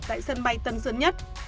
tại sân bay tân sơn nhất